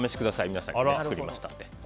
皆さんに作りましたので。